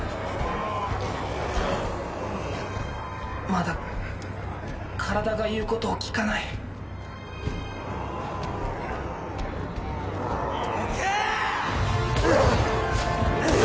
まだ体がいうことをきかないどけ！